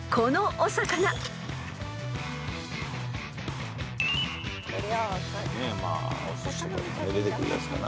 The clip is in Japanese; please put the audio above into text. おすしとかで出てくるやつかな